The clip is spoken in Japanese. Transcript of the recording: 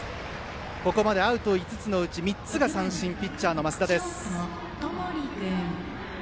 ここまでアウト５つのうち３つが三振ピッチャーの升田です。